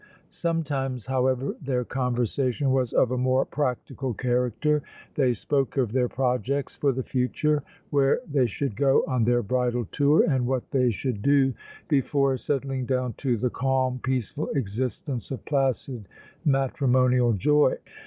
Sometimes, however, their conversation was of a more practical character; they spoke of their projects for the future where they should go on their bridal tour and what they should do before settling down to the calm, peaceful existence of placid matrimonial joy.